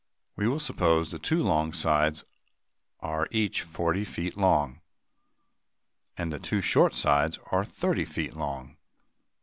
We will suppose the two long sides are each forty feet long, and the two short sides each thirty feet long.